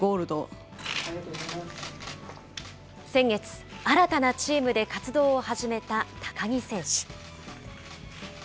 先月、新たなチームで活動を始めた高木選手。